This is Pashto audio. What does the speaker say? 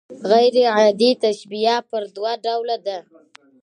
غير عادي تشبیه پر دوه ډوله ده.